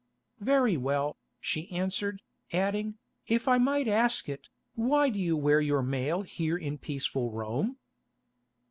"Very well," she answered, adding, "If I might ask it, why do you wear your mail here in peaceful Rome?"